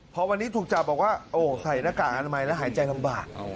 พอวันนี้ถูกจับบอกว่าโอ้ใส่หน้ากากอนามัยแล้วหายใจลำบาก